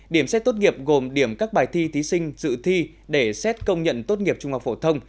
điểm xét tốt nghiệp gồm điểm các bài thi thí sinh dự thi để xét công nhận tốt nghiệp trung học phổ thông